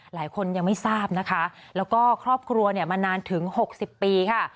หลายคนยังไม่ทราบนะคะแล้วก็ครอบครัวเนี่ยมานานถึง๖๐ปีค่ะ